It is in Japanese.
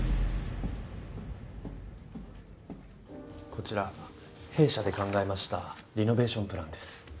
こちら弊社で考えましたリノベーションプランです。